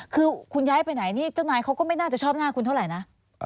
คือคุณย้ายไปไหนนี่เจ้านายเขาก็ไม่น่าจะชอบหน้าคุณเท่าไหร่นะ